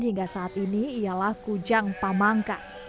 hingga saat ini ialah kujang pamangkas